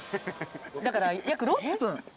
だから約６分。